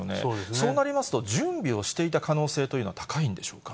そうなりますと、準備をしていた可能性というのは高いんでしょうか。